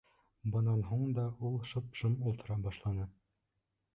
Бынан һуң да ул шып-шым ултыра башланы.